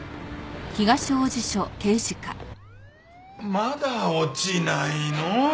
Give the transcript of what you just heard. まだ落ちないの？